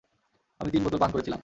আমি তিন বোতল পান করেছিলাম।